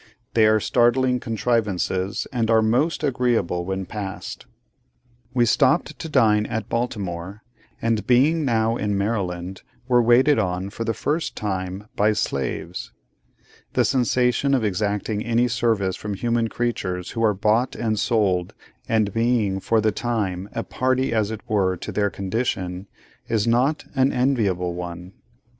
They are startling contrivances, and are most agreeable when passed. We stopped to dine at Baltimore, and being now in Maryland, were waited on, for the first time, by slaves. The sensation of exacting any service from human creatures who are bought and sold, and being, for the time, a party as it were to their condition, is not an enviable one.